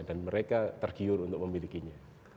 mereka tergiur untuk memilikinya